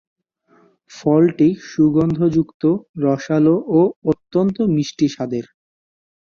ফলটি সুগন্ধযুক্ত, রসালো ও অত্যন্ত মিষ্টি স্বাদের।